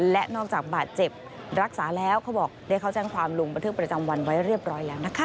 และนอกจากบาดเจ็บรักษาแล้วเขาบอกได้เข้าแจ้งความลงบันทึกประจำวันไว้เรียบร้อยแล้วนะคะ